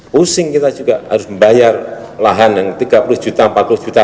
pusing kita juga harus membayar lahan yang tiga puluh juta empat puluh juta